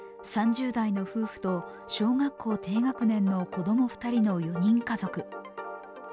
３０代の夫婦と小学校低学年の子供２人の４人家族。